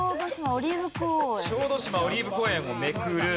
小豆島オリーブ公園をめくる。